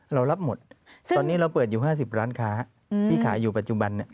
เรารับหมดตอนนี้เราเปิดอยู่๕๐ร้านค้าที่ขายอยู่ปัจจุบัน